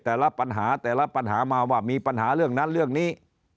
แต่ละปัญหาแต่ละปัญหามาว่ามีปัญหาเรื่องนั้นเรื่องนี้